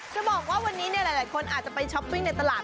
จะบอกว่าวันนี้หลายคนอาจจะไปช้อปปิ้งในตลาด